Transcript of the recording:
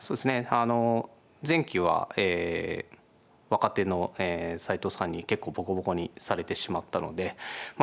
あの前期は若手の斎藤さんに結構ボコボコにされてしまったのでまあ